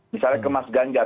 misalnya ke mas ganjar